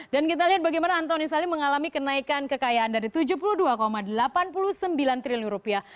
dan kita lihat bagaimana antoni salim mengalami kenaikan kekayaan dari tujuh puluh dua delapan puluh sembilan triliun rupiah